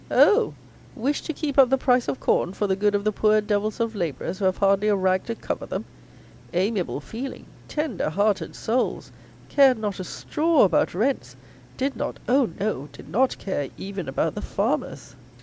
Oh! wished to keep up the price of corn for the good of the "poor devils of labourers who have hardly a rag to cover them!" Amiable feeling, tender hearted souls! Cared not a straw about rents! Did not; oh no! did not care even about the farmers!